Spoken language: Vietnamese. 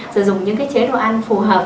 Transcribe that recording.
sử dụng những cái chế độ ăn phù hợp